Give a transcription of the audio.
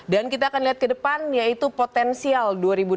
dan kita akan lihat ke depan yaitu potensial dua ribu delapan belas